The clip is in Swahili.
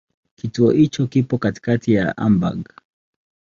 Kituo hicho kipo katikati ya Hamburg.